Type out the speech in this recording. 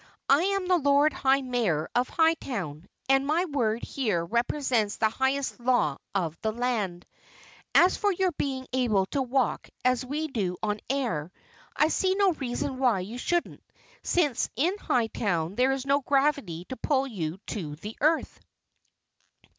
I am the Lord High Mayor of Hightown and my word here represents the highest law of the land. As for your being able to walk as we do on the air, I see no reason why you shouldn't since in Hightown there is no gravity to pull you to the earth."